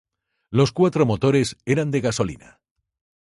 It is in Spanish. Los cuatro motores eran de gasolina.